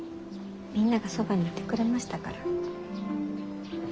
みんながそばにいてくれましたから。